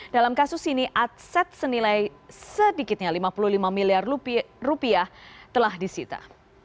dalam kasus ini aset senilai sedikitnya lima puluh lima miliar rupiah telah disita